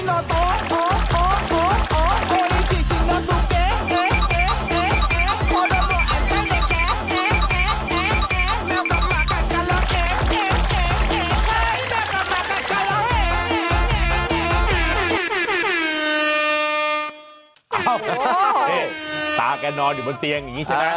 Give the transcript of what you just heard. โอ้โฮตาแกนอนอยู่บนเตียงส่วนเล็กใช่ไหมครับ